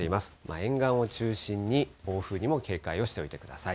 沿岸を中心に暴風にも警戒をしておいてください。